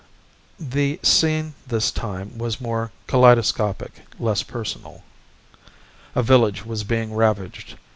The scene this time was more kaleidoscopic, less personal. A village was being ravaged.